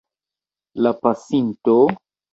La pasinto?